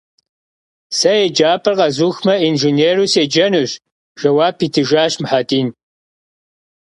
Se yêcap'er khezuxme, yinjjênêru sêcenuş, - jjeuap yitıjjaş Muhedin.